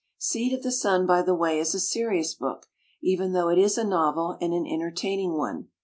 "Seed of the Sun", by the way, is a serious book, even though it is a novel and an enter taining one.